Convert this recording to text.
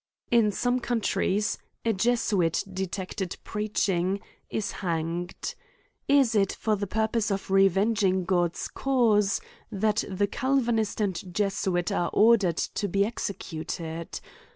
In some countries, a Jesuit detected preaching, is hanged. Is it for the purpose of reveling God's cause, that the Calvanist and Jesuit are or dered to be executed